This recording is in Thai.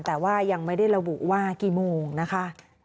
แต่ว่ายังไม่ได้ระบุว่ากี่โมงนะคะ